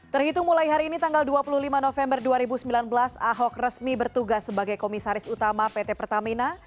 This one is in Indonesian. terhitung mulai hari ini tanggal dua puluh lima november dua ribu sembilan belas ahok resmi bertugas sebagai komisaris utama pt pertamina